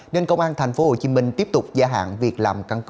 nên công an tp hcm tiếp tục gia hạn việc làm căn cứ công dân